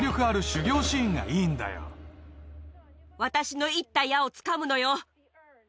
私の射った矢をつかむのよ。